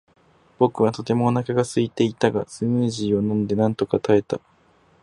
僕はとてもお腹がすいていたが、スムージーを飲んでなんとか耐えた。